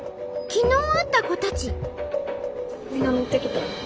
昨日会った子たち！